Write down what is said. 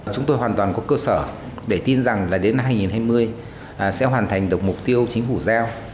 chúng tôi hoàn toàn có cơ sở để tin rằng là đến hai nghìn hai mươi sẽ hoàn thành được mục tiêu chính phủ giao